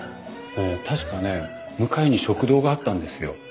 確かね向かいに食堂があったんですよ。